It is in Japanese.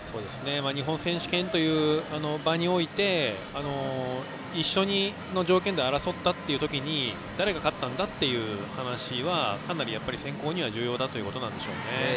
日本選手権の場において一緒の条件で争った時に誰が勝ったんだという話はかなり選考には重要だということなんでしょうね。